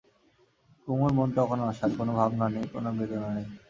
কুমুর মন তখন অসাড়, কোনো ভাবনা নেই, কোনো বেদনা নেই।